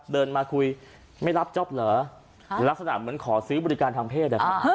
เดินมาคุยไม่รับจ๊อปเหรอลักษณะเหมือนขอซื้อบริการทางเพศ